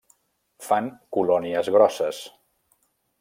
Fan colònies grosses.